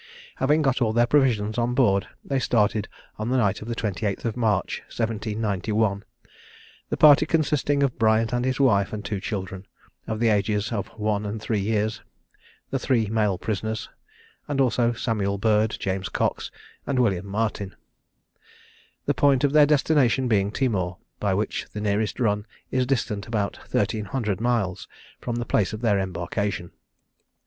Having got all their provisions on board, they started on the night of the 28th March 1791; the party consisting of Briant and his wife and two children, of the ages of one and three years, the three male prisoners, and also Samuel Bird, James Cox, and William Martin; the point of their destination being Timor, which by the nearest run is distant about 1300 miles from the place of their embarkation.